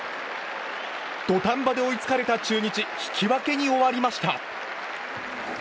土壇場で追いつかれた中日引き分けに終わりました。